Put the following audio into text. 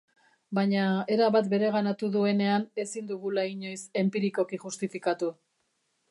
Baina erabat bereganatu duenean ezin dugula inoiz enpirikoki justifikatu.